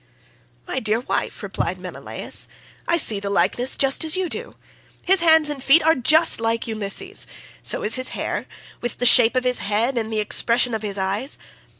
"My dear wife," replied Menelaus, "I see the likeness just as you do. His hands and feet are just like Ulysses; so is his hair, with the shape of his head and the expression of his eyes.